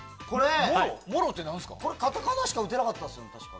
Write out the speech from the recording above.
これ、カタカナしか打てなかったですよね。